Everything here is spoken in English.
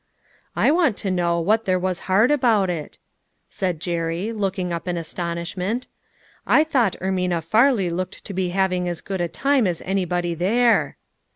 "I want to know what there was hard about it ?" said Jerry, looking up in astonish ment. " I thought Ermina Farley seemed to be having as good a time as anybody there."